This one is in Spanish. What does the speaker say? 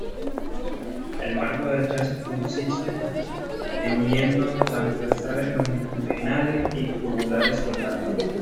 El marco del chasis consiste de miembros transversales longitudinales y tubulares soldados.